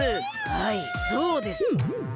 はいそうです。